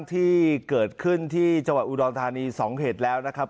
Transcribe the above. ที่เกิดขึ้นที่จังหวัดอุดรธานี๒เหตุแล้วนะครับ